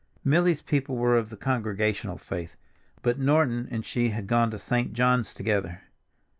Milly's people were of the Congregational faith, but Norton and she had gone to St. John's together.